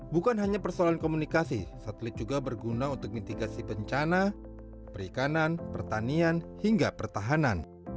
bukan hanya persoalan komunikasi satelit juga berguna untuk mitigasi bencana perikanan pertanian hingga pertahanan